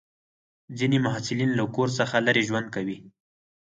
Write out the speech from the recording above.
ځینې محصلین له کور څخه لرې ژوند کوي.